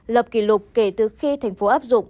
lập kỷ lục kể từ khi thành phố áp dụng